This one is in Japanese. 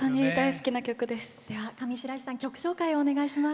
では上白石さん曲紹介をお願いします。